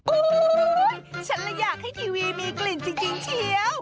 โอ้โหฉันเลยอยากให้ทีวีมีกลิ่นจริงเชียว